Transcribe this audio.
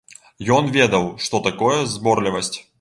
Ён ведаў, што такое зборлівасць.